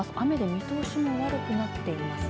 見通しも悪くなっています。